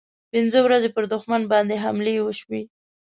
پنځه ورځې پر دښمن باندې حملې وشوې.